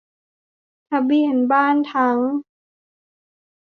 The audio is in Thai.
ทะเบียนบ้านทั้ง